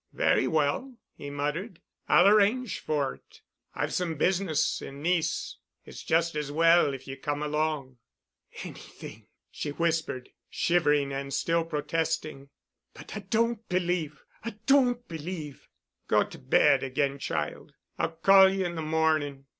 "Very well," he muttered. "I'll arrange for it. I've some business in Nice. It's just as well if you come along." "Anything——," she whispered, shivering and still protesting, "but I don't believe—I don't believe——" "Go to bed again, child. I'll call ye in the morning."